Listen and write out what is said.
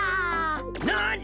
なに！？